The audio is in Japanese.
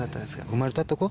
生まれたとこ？